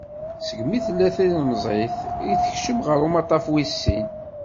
Segmi tella d tilemẓit i tekcem ɣer umaṭtaf wis sin.